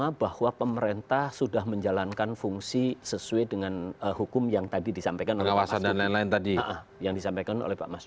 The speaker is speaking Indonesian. apa apa kemudian bagaimana